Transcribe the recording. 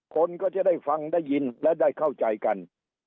คนก็จะได้ฟังได้ยินและได้เข้าใจกัน